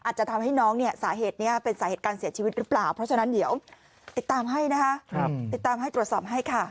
ใช่ครับ